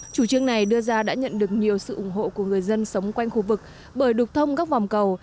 chủ trương này đưa ra đã nhận được nhiều sự ủng hộ của người dân sống quanh khu vực bởi đục thông các vòng cầu